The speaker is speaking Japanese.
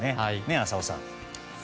浅尾さん。